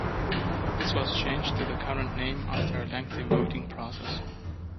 This was changed to the current name after a lengthy voting process.